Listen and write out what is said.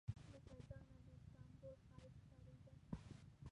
له فضا نه د استانبول ښایست ښکارېده.